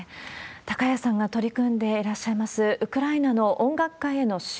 高谷さんが取り組んでいらっしゃいます、ウクライナの音楽界への支援。